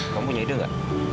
kamu punya ide gak